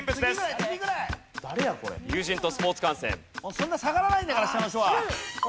そんな下がらないんだから下の人は。